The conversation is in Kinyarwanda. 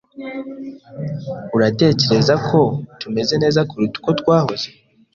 Uratekereza ko tumeze neza kuruta uko twahoze?